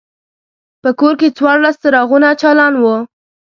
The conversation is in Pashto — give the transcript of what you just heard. په کور کې څوارلس څراغونه چالان وو.